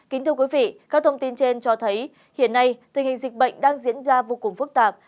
kính thưa quý vị các thông tin trên cho thấy hiện nay tình hình dịch bệnh đang diễn ra vô cùng phức tạp